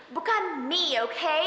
bukan me okay